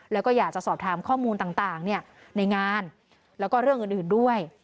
แล้วก็อยากจะสอบถามข้อมูลต่างในงานแล้วก็เรื่องอื่นด้วย